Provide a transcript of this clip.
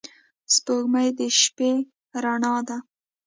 • سپوږمۍ د شپې رڼا ده.